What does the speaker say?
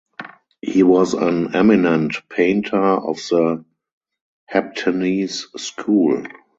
He was an eminent painter of the Heptanese School.